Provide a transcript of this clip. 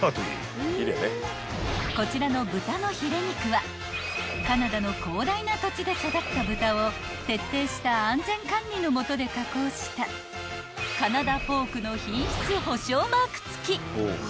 ［こちらの豚のヒレ肉はカナダの広大な土地で育った豚を徹底した安全管理の下で加工したカナダポークの品質保証マーク付き］